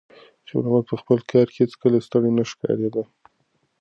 خیر محمد په خپل کار کې هیڅکله ستړی نه ښکارېده.